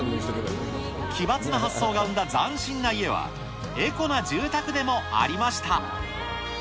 奇抜な発想が生んだ斬新な家は、エコな住宅でもありました。